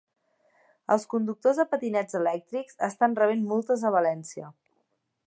Els conductors de patinets elèctrics estan rebent multes a València